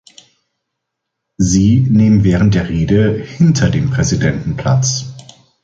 Sie nehmen während der Rede hinter dem Präsidenten Platz.